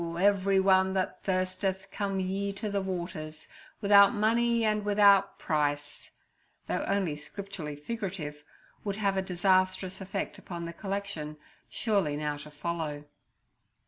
everyone that thirsteth, come ye to the waters, without money and without price' though only Scripturally figurative, would have a disastrous effect upon the collection surely now to follow.